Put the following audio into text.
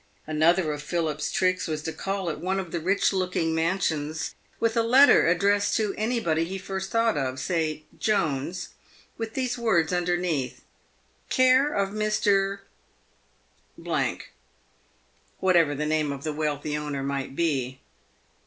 Another of Philip's tricks was to call at one of the rich looking mansions with a letter addressed to anybody he first thought of — say Jones — with these words underneath, " Care of Mr. «" whatever the name of the wealthy owner might be.